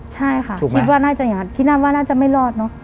ใช่ค่ะคิดว่าน่าจะอย่างนั้นคิดว่าน่าจะไม่รอดเนอะ